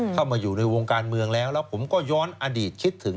เข้ามาอยู่ในวงการเมืองแล้วแล้วผมก็ย้อนอดีตคิดถึง